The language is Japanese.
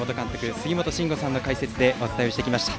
杉本真吾さんの解説でお伝えしました。